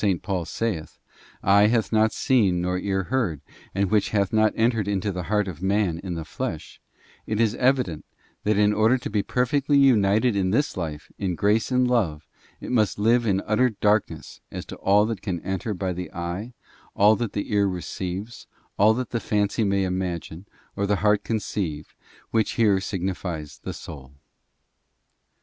Paul saith, eye hath not seen nor ear heard, and which hath not entered into the heart of manin the flesh, it is evident, that in order to be perfectly united in this life in grace and love, it must live in utter darkness as to all that can enter by the eye, all that the ear receives, all that the fancy may imagine, or the heart conceive, which here signifies the soul.